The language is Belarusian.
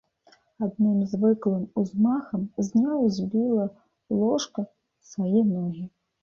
Адным звыклым узмахам зняў з біла ложка свае ногі.